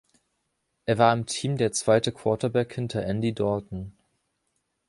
Er war im Team der zweite Quarterback hinter Andy Dalton.